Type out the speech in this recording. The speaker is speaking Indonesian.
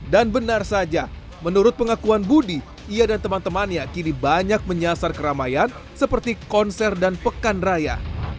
dan benar saja menurut pengakuan budi ia dan teman temannya kini banyak menyasar keramaian seperti konser dan pekan raya